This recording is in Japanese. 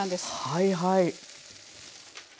はいはい。